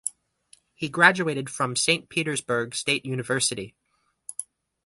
He graduated from Saint Petersburg State University.